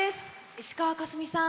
石川佳純さん